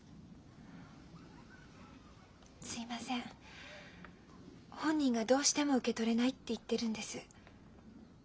すいません本人がどうしても受け取れないって言ってるんです。